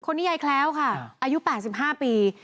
คนนี้ยายแคล้วค่ะอายุ๘๕ปี